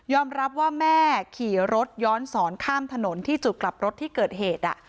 รับว่าแม่ขี่รถย้อนสอนข้ามถนนที่จุดกลับรถที่เกิดเหตุ